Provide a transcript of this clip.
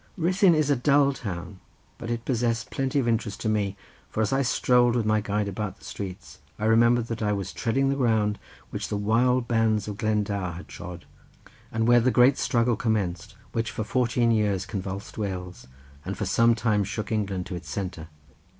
Ruthyn is a dull town, but it possessed plenty of interest for me, for as I strolled with my guide about the streets I remembered that I was treading the ground which the wild bands of Glendower had trod, and where the great struggle commenced, which for fourteen years convulsed Wales, and for some time shook England to its centre.